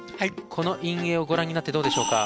この印影をご覧になってどうでしょうか？